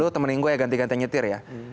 lu temenin gue ya ganti gantian nyetir ya